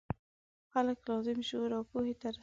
خلک لازم شعور او پوهې ته ورسوي.